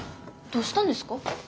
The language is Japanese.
どうしたんですか？